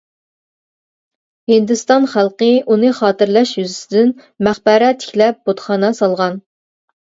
ھىندىستان خەلقى ئۇنى خاتىرىلەش يۈزىسىدىن مەقبەرە تىكلەپ، بۇتخانا سالغان.